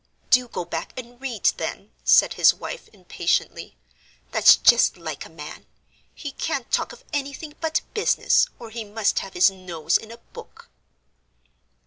"Do go back and read, then," said his wife, impatiently; "that's just like a man, he can't talk of anything but business, or he must have his nose in a book."